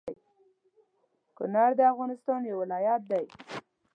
کونړ د افغانستان يو ولايت دى